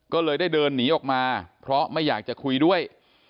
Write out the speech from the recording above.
ก็เลยได้เดินหนีออกมาเพราะไม่อยากจะคุยด้วย